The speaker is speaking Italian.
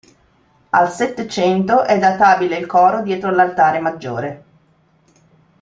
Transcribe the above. Al Settecento è databile il coro dietro l'altare maggiore.